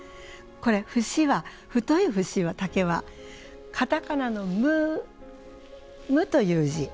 これ節は太い節は竹は片仮名の「ム」ムという字